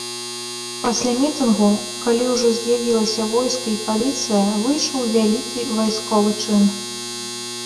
Пасля мітынгу, калі ўжо з'явілася войска і паліцыя, выйшаў вялікі вайсковы чын.